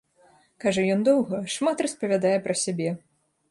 Кажа ён доўга, шмат распавядае пра сябе.